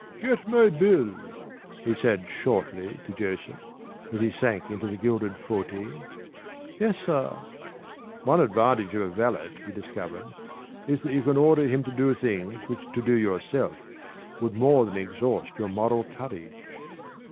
"Get my bill," he said shortly to Joseph as he sank into the gilded fauteuil. "Yes, sir." One advantage of a valet, he discovered, is that you can order him to do things which to do yourself would more than exhaust your moral courage.